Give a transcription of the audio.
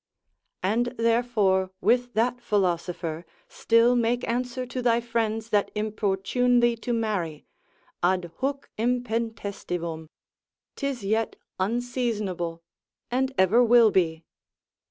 And therefore, with that philosopher, still make answer to thy friends that importune thee to marry, adhuc intempestivum, 'tis yet unseasonable, and ever will be.